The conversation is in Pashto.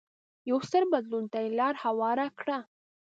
یو ستر بدلون ته یې لار هواره کړه.